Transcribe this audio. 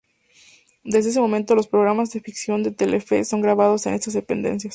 Desde ese momento los programas de ficción de Telefe son grabados en estas dependencias.